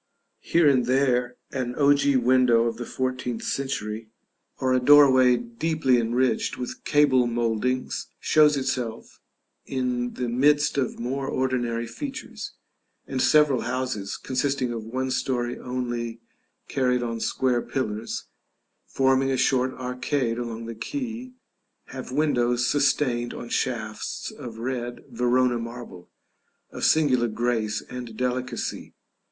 Here and there an ogee window of the fourteenth century, or a doorway deeply enriched with cable mouldings, shows itself in the midst of more ordinary features; and several houses, consisting of one story only carried on square pillars, forming a short arcade along the quay, have windows sustained on shafts of red Verona marble, of singular grace and delicacy.